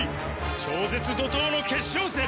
超絶怒涛の決勝戦。